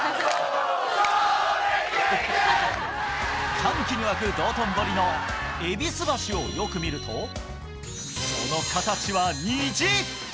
歓喜に沸く道頓堀の戎橋をよく見ると、その形は虹。